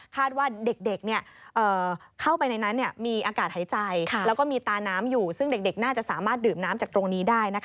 ว่าเด็กเข้าไปในนั้นมีอากาศหายใจแล้วก็มีตาน้ำอยู่ซึ่งเด็กน่าจะสามารถดื่มน้ำจากตรงนี้ได้